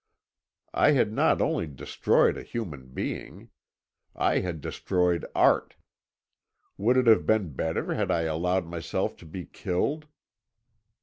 I had not only destroyed a human being, I had destroyed art. Would it have been better had I allowed myself to be killed?